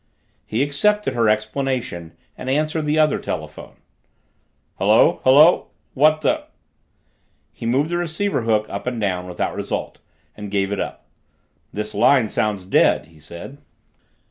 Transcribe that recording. He accepted her explanation and answered the other telephone. "Hello hello what the " He moved the receiver hook up and down, without result, and gave it up. "This line sounds dead," he said.